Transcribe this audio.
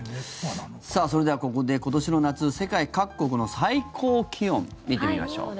それではここで今年の夏、世界各国の最高気温見てみましょう。